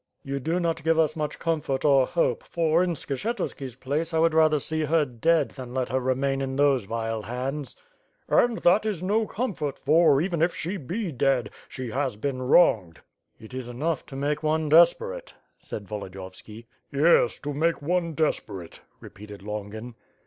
"You do not give us much comfort or hope; for, in Skshetu ski's place, I would rather see her dead than let her remain in those vile hands." "And that is no comfort for, even if she be dead, she has been wronged." "It is enough to make one desperate," said Volodiyovski. "Yes, to make one desperate," repeated Longin.